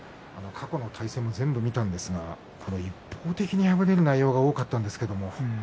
過去の対戦全部見たんですが一方的に敗れる内容が多かったんです。